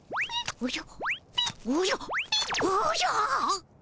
おじゃ。